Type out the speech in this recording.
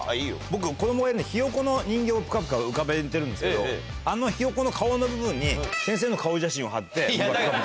僕子供がいるんでヒヨコの人形ぷかぷか浮かべてるんですけどあのヒヨコの顔の部分に先生の顔写真を貼ってぷかぷか。